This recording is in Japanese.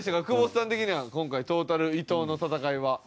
久保田さん的には今回トータル伊藤の戦いは。